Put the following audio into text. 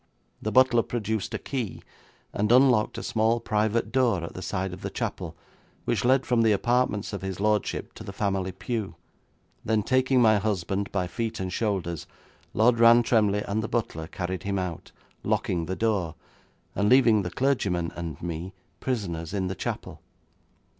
The butler produced a key, and unlocked a small, private door at the side of the chapel which led from the apartments of his lordship to the family pew. Then taking my husband by feet and shoulders, Lord Rantremly and the butler carried him out, locking the door, and leaving the clergyman and me prisoners in the chapel.